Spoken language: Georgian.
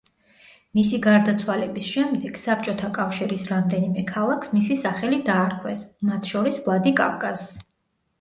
მისი გარდაცვალების შემდეგ საბჭოთა კავშირის რამდენიმე ქალაქს მისი სახელი დაარქვეს, მათ შორის ვლადიკავკაზს.